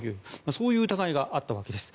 そういう疑いがあったわけです。